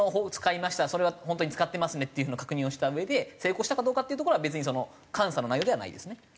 使いましたそれは本当に使ってますねっていう風な確認をしたうえで成功したかどうかっていうところは別に監査の内容ではないですね。